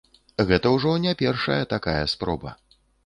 Гэта ўжо не першая такая спроба.